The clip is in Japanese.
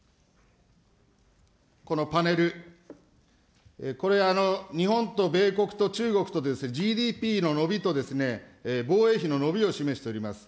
このパネル、これ、日本と米国と中国とＧＤＰの伸びと、防衛費の伸びを示しております。